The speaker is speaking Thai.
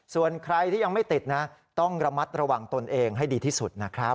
ส่วนใครที่ยังไม่ติดนะต้องระมัดระวังตนเองให้ดีที่สุดนะครับ